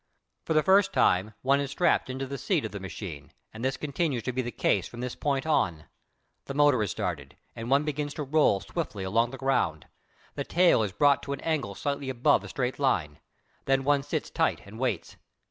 For the first time one is strapped into the seat of the machine, and this continues to be the case from this point on. The motor is started, and one begins to roll swiftly along the ground. The tail is brought to an angle slightly above a straight line. Then one sits tight and waits.